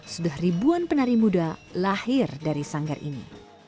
sudah ribuan penari muda lahir dari sanggar ini